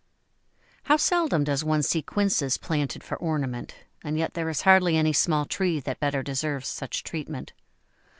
How seldom does one see Quinces planted for ornament, and yet there is hardly any small tree that better deserves such treatment.